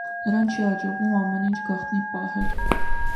Նրան չի հաջողվում ամեն ինչ գաղտնի պահել։